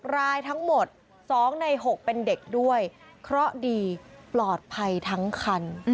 รายทั้งหมด๒ใน๖เป็นเด็กด้วยเคราะห์ดีปลอดภัยทั้งคัน